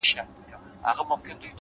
زحمت د استعداد اغېز پراخوي؛